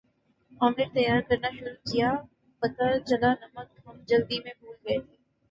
omelette تیار کرنا شروع کیا پتا چلا نمک ہم جلدی میں بھول گئےتھے